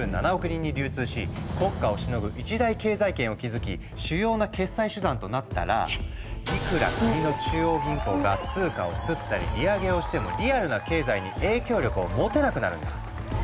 人に流通し国家をしのぐ一大経済圏を築き主要な決済手段となったらいくら国の中央銀行が通貨を刷ったり利上げをしてもリアルな経済に影響力を持てなくなるんだ。